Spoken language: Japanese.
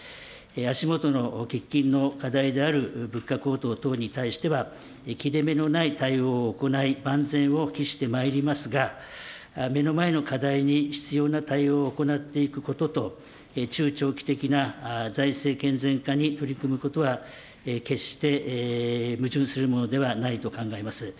足元の喫緊の課題である物価高騰等に対しては、切れ目のない対応を行い、万全を期してまいりますが、目の前の課題に必要な対応を行っていくことと、中長期的な財政健全化に取り組むことは、決して矛盾するものではないと考えます。